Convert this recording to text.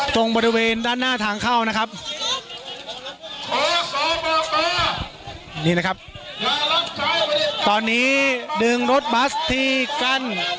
ตรงบริเวณด้านหน้าทางเข้านะครับนี่นะครับตอนนี้ดึงรถบัสที่กั้น